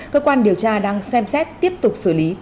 cơ quan điều tra đang xem xét tiếp tục xử lý theo quy định của pháp luật